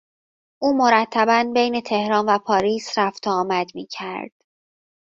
او مرتبا بین تهران و پاریس رفت و آمد میکرد.